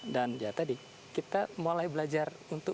dan ya tadi kita mulai belajar untuk